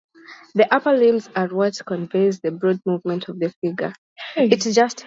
The upper limbs are what conveys the broad movement of the figure.